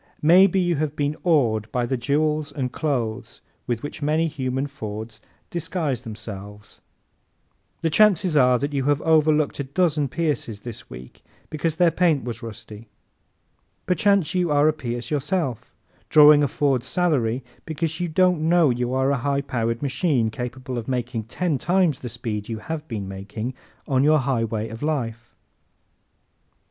Maybe you have been awed by the jewels and clothes with which many human Fords disguise themselves. The chances are that you have overlooked a dozen Pierces this week because their paint was rusty. Perchance you are a Pierce yourself, drawing a Ford salary because you don't know you are a high powered machine capable of making ten times the speed you have been making on your highway of life.